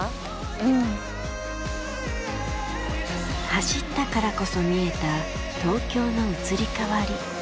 走ったからこそ見えた東京の移り変わり。